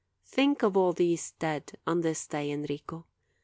Think of all these dead on this day, Enrico.